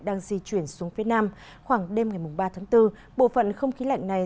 đang di chuyển xuống phía nam khoảng đêm ngày ba tháng bốn bộ phận không khí lạnh này